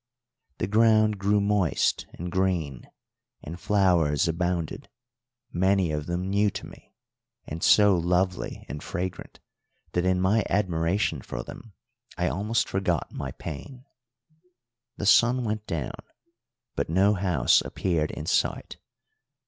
The ground grew moist and green, and flowers abounded, many of them new to me, and so lovely and fragrant that in my admiration for them I almost forgot my pain. The sun went down, but no house appeared in sight.